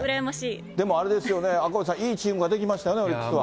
でもあれですよね、赤星さん、いいチームが出来ましたね、オリックスは。